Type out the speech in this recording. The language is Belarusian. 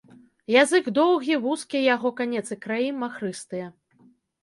Язык доўгі, вузкі, яго канец і краі махрыстыя.